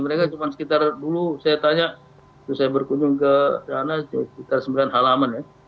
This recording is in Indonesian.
mereka cuma sekitar dulu saya tanya terus saya berkunjung ke sana sekitar sembilan halaman ya